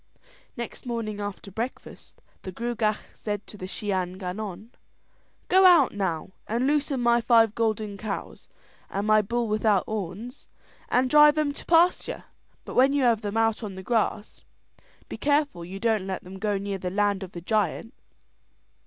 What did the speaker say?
Next morning after breakfast the Gruagach said to the Shee an Gannon: "Go out now and loosen my five golden cows and my bull without horns, and drive them to pasture; but when you have them out on the grass, be careful you don't let them go near the land of the giant."